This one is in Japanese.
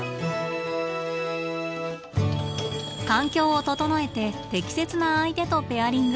環境を整えて適切な相手とペアリング。